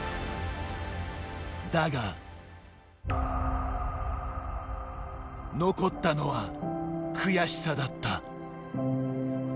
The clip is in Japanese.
だが、残ったのは悔しさだった。